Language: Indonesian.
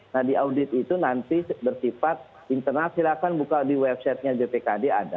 nah di audit itu nanti bersifat internal silahkan buka di websitenya bpkd ada